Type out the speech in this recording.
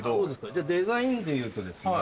じゃあデザインでいうとですね。